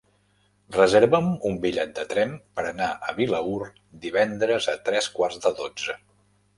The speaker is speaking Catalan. Reserva'm un bitllet de tren per anar a Vilaür divendres a tres quarts de dotze.